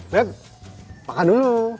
bek makan dulu